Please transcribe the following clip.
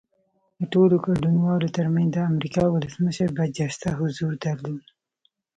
د ټولو ګډونوالو ترمنځ د امریکا ولسمشر برجسته حضور درلود